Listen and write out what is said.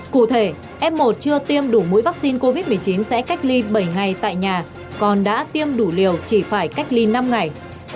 cụ thể f một chưa tiêm đủ mũi vaccine covid một mươi chín sẽ cách ly bảy ngày tại nhà còn đã tiêm đủ liều chỉ phải cách ly năm ngày